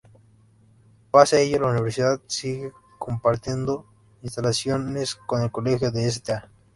Pese a ello, la Universidad sigue compartiendo instalaciones con el Colegio de Sta.